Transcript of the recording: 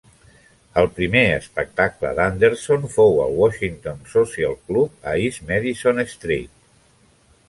El primer espectacle d'Anderson fou al Washington Social Club a East Madison Street.